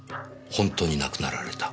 ほんとに亡くなられた。